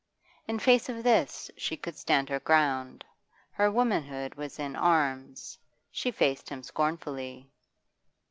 In face of this she could stand her ground. Her womanhood was in arms; she faced him scornfully.